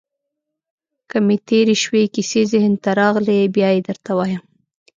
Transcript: که مې تېرې شوې کیسې ذهن ته راغلې، بیا يې درته وایم.